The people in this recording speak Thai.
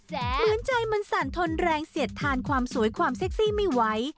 เหมือนใจมันสั่นทนแรงเสียดทานความสวยความเซ็กซี่ไม่ไหว